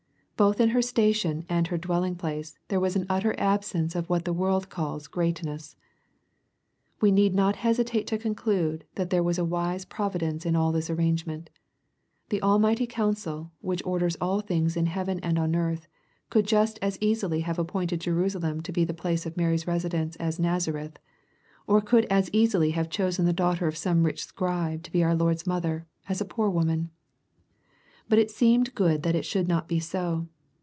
Both in her station and her dwelling place, there was an utter absence of what the world calls "greatness." We need not hesitate to conclude, that there was a wise providence in all this arrangement. The Almighty counsel, which orders all things in heaven and earth, could just as easily have appointed Jerusalem to be the place of Marj^s residence as Nazareth, or could as easily have chosen the daughter of some rich scribe to be our Lord's mother, as a poor woman. But it seemed good that it should not be so.